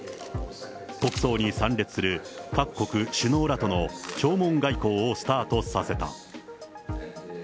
国葬に参列する各国首脳らとの弔問外交をスタートさせた。